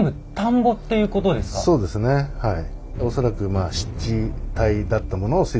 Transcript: そうですねはい。